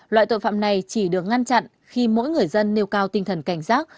loại tội phạm này chỉ được ngăn chặn khi mỗi người dân nêu cao tinh thần cảnh giác